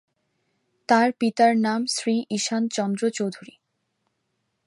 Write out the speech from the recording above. তার পিতার নাম শ্রী ঈশান চন্দ্র চৌধুরী।